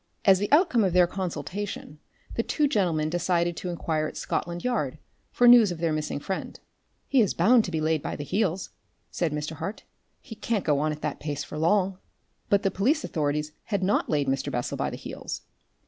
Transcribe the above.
As the outcome of their consultation the two gentlemen decided to inquire at Scotland Yard for news of their missing friend. "He is bound to be laid by the heels," said Mr. Hart. "He can't go on at that pace for long." But the police authorities had not laid Mr. Bessel by the heels.